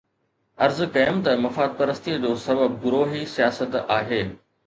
عرض ڪيم ته مفاد پرستيءَ جو سبب گروهي سياست آهي.